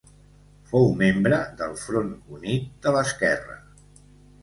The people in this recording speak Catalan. Fou membre del Front Unit de l'Esquerra.